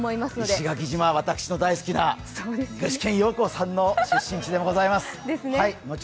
石垣島は私の大好きな具志堅用高さんの出身地でございます。